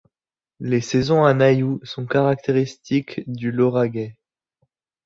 Les saisons à Nailloux sont caractéristiques du Lauragais.